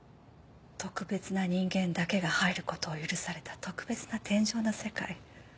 特別な人間だけが入ることを許された特別な天上の世界。